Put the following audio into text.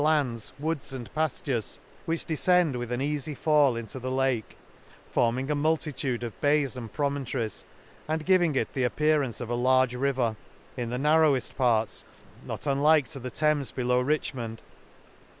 17$ lands, woods, and paftures, which de~ fcend with an eafy fall into the Lake, forming a multitude of bays and pro montories, and giving it the appearance of a large river ; in the narroweft parts not unlike to the Thames below Richmond.